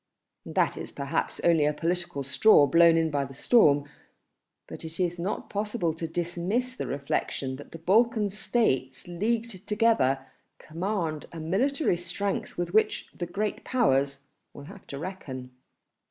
That is perhaps only a political straw blown by the storm, but it is not possible to dismiss the reflection that the Balkan States leagued together command a military strength with which the Great Powers will have to reckon